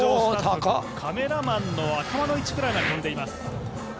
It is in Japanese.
カメラマンの頭の位置くらいまで跳んでいます。